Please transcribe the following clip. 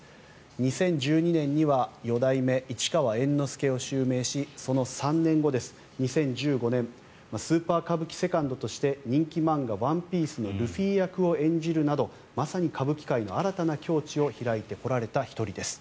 ２０１２年には四代目市川猿之助を襲名しその３年後、２０１５年スーパー歌舞伎セカンドとして人気漫画「ワンピース」のルフィ役を演じるなどまさに歌舞伎界の新たな境地を開いてこられた１人です。